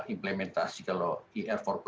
implementasi kalau ir empat